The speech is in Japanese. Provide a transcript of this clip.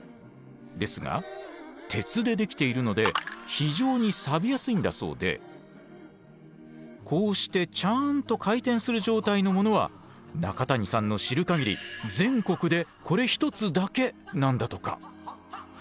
ですが鉄でできているので非常にさびやすいんだそうでこうしてちゃんと回転する状態のものは中谷さんの知る限り全国でこれ１つだけなんだとか。